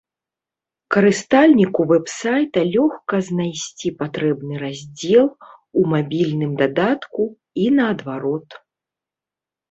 Карыстальніку вэб-сайта лёгка знайсці патрэбны раздзел у мабільным дадатку, і наадварот.